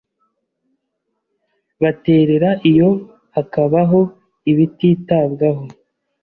baterera iyo hakabaho ibititabwaho